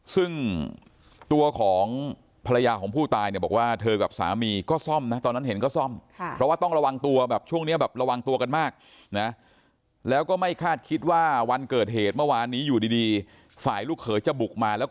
ซึ่งตัวของภรรยาของผู้ตายเนี่ยบอกว่าเธอกับสามีก็ซ่อมนะตอนนั้นเห็นก็ซ่อม